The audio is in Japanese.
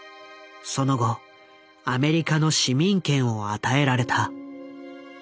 その後アメリカの市民権を与えられた。